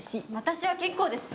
私は結構です。